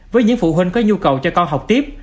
với những phụ huynh có nhu cầu cho con học tiếp